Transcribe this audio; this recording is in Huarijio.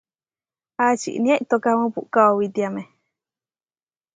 ¿Ačinia iʼtókamu puʼká oʼowitiáme?